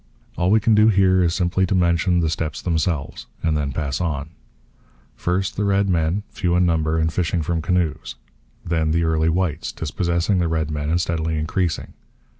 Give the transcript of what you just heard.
All we can do here is simply to mention the steps themselves, and then pass on. First, the red men, few in number, and fishing from canoes. Then the early whites, dispossessing the red men and steadily increasing.